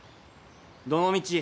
どのみち